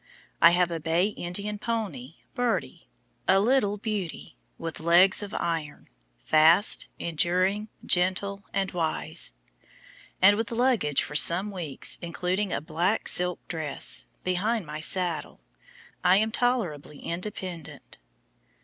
I have a bay Indian pony, "Birdie," a little beauty, with legs of iron, fast, enduring, gentle, and wise; and with luggage for some weeks, including a black silk dress, behind my saddle, I am tolerably independent.